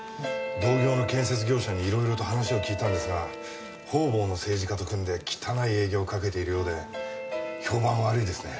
同業の建設業者にいろいろと話を聞いたんですが方々の政治家と組んで汚い営業をかけているようで評判悪いですね。